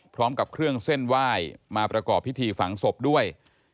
พร้อมกับเครื่องเส้นไหว้มาประกอบพิธีฝังศพด้วย